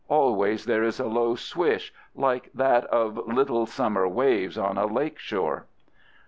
Always there is a low swish, like that of little summer waves on a lake shore.